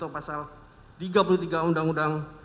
pasal tiga puluh tiga undang undang